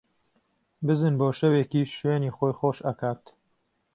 بزن بۆ شەوێکیش شوێنی خۆی خۆش ئەکات